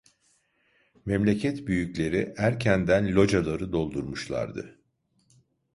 Memleket büyükleri erkenden locaları doldurmuşlardı.